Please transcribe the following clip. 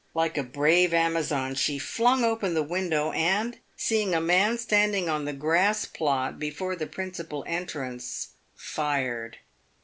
Like a brave Amazon she flung open the window, and, seeing a man standing on the grass plot before the principal entrance, fired.